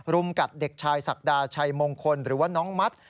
รุมกัดเด็กชายศักดาชัยมงคลหรือว่าน้องมัด